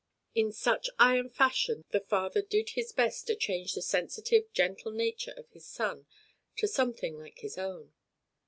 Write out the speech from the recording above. In such iron fashion the father did his best to change the sensitive, gentle nature of his son to something like his own.